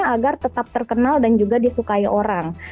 agar tetap terkenal dan juga disukai orang